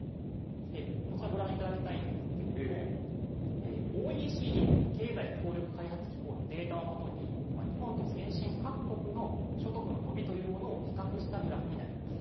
こちらご覧いただきたいんですけれども、ＯＥＣＤ・経済協力開発機構のデータを基に、日本と先進各国の所得の伸びというものを比較したグラフになります。